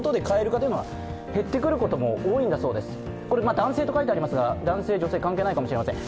男性と書いてありますが男性女性関係ないかもしれません。